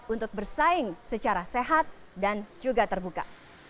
untuk bersaing secara sehat dan juga terbuka